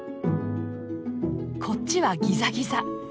こっちはギザギザ。